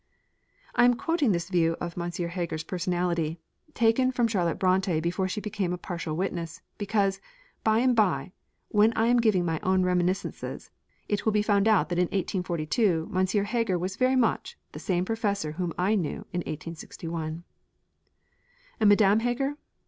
I am quoting this view of M. Heger's personality, taken by Charlotte Brontë before she became a partial witness, because, by and by, when I am giving my own reminiscences, it will be found that in 1842 M. Heger was very much the same Professor whom I knew in 1861. And Madame Heger?